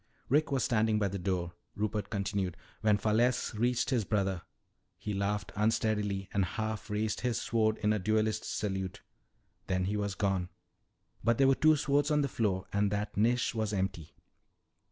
"Rick was standing by the door," Rupert continued. "When Falesse reached his brother, he laughed unsteadily and half raised his sword in a duelist's salute. Then he was gone. But there were two swords on the floor. And that niche was empty.